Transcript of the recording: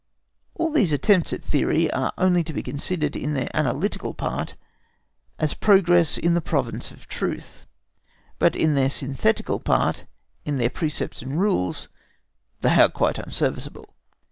All these attempts at theory are only to be considered in their analytical part as progress in the province of truth, but in their synthetical part, in their precepts and rules, they are quite unserviceable.